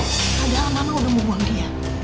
ada mama udah mau buang dia